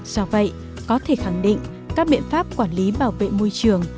do vậy có thể khẳng định các biện pháp quản lý bảo vệ môi trường